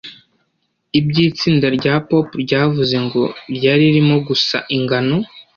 Ibyo itsinda rya pop ryavuze ngo "Ryari ririmo gusa ingano"